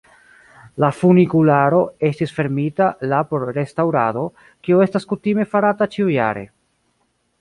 La funikularo estis fermita la por restaŭrado, kio estas kutime farata ĉiujare.